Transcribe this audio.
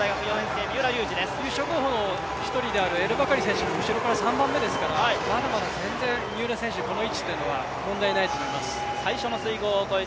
優勝候補の一人であるエルバカリ選手も後ろから３番目ですからまだまだ全然、三浦選手、この位置というのは問題ないと思います。